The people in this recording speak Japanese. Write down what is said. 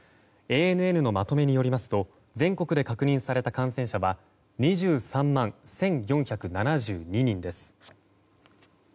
ＡＮＮのまとめによりますと全国で確認された感染者は２３万１４７２人です。